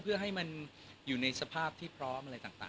เพื่อให้มันอยู่ในสภาพที่เพราะอะไรต่างแม้ว่า